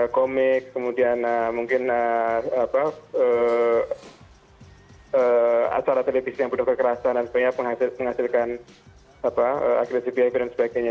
komik kemudian mungkin acara televisi yang penuh kekerasan dan sebagainya menghasilkan agresif behavior dan sebagainya